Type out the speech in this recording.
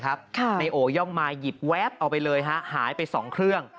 ในโอย่องมาหายไป๒เครื่อง